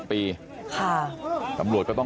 สวัสดีครับทุกคน